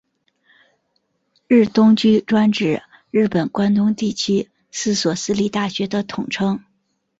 日东驹专指日本关东地区四所私立大学的统称。